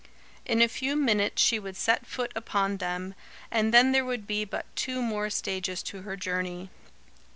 In a few minutes she would set foot upon them, and then there would be but two more stages to her journey.